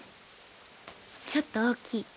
ちょっと大きい。